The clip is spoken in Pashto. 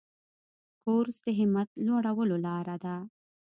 کورس د همت لوړولو لاره ده.